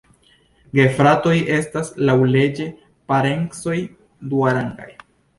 Gefratoj estas laŭleĝe parencoj duarangaj.